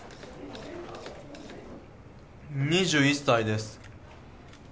２１歳です。